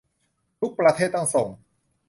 ทุกประเทศต้องส่ง